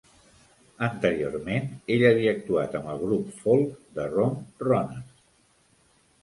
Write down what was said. Anteriorment, ell havia actuat amb el grup folk The Rum Runners.